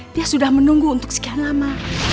dia sudah menunggu untuk sekian lama